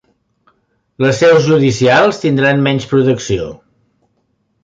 Les seus judicials tindran menys protecció